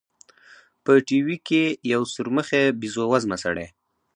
په ټي وي کښې يو سورمخى بيزو وزمه سړى.